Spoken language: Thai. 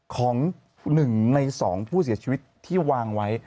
ของหนึ่งในสองผู้เสียชีวิตที่วางไว้